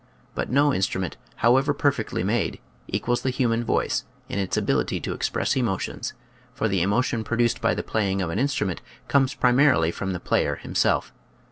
But no in strument, however perfectly made, equals the human voice in its ability to express emotions, for the emotion produced by the playing of an instrument comes primarily from the player himself.